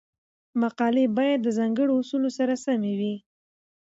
مقالې باید د ځانګړو اصولو سره سمې وي.